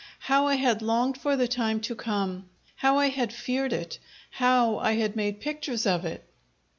How I had longed for the time to come, how I had feared it, how I had made pictures of it!